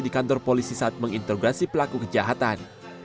di kantor polisi saat menginterogasi pelaku kejahatan